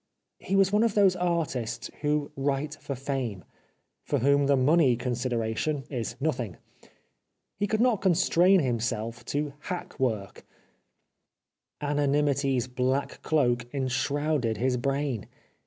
He was one of those artists who write for fame ; for whom the money consideration is nothing. He could not constrain himself to hack work : anonymity's black cloak enshrouded his brain.